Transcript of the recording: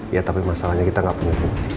ya tapi masalahnya kita nggak punya